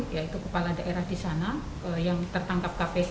yaitu kepala daerah di sana yang tertangkap kpk